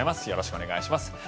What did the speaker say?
よろしくお願いします。